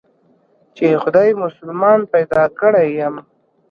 چې خداى مسلمان پيدا کړى يم.